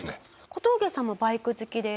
小峠さんもバイク好きで。